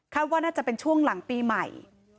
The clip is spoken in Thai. ว่าน่าจะเป็นช่วงหลังปีใหม่